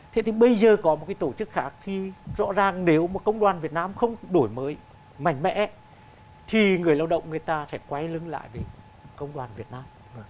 thế thì bây giờ có một cái tổ chức khác thì rõ ràng nếu mà công đoàn việt nam không đổi mới mạnh mẽ thì người lao động người ta sẽ quay lưng lại với công đoàn việt nam